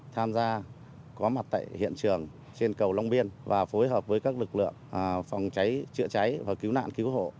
tham gia có mặt tại hiện trường trên cầu long biên và phối hợp với các lực lượng phòng cháy chữa cháy và cứu nạn cứu hộ